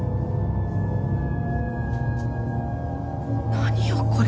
何よこれ。